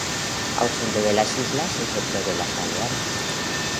Ausente de las islas excepto de las Baleares.